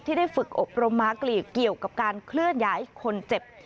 ได้ฝึกอบรมมากลีกเกี่ยวกับการเคลื่อนย้ายคนเจ็บ